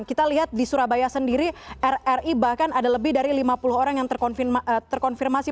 kita lihat di surabaya sendiri rri bahkan ada lebih dari lima puluh orang yang terkonfirmasi